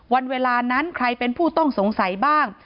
วันเวลานั้นใครเป็นผู้ต้องสงสัยบ้าง